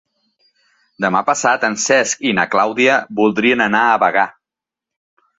Demà passat en Cesc i na Clàudia voldrien anar a Bagà.